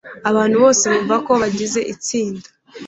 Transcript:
abantu bose bumva ko bagize itsinda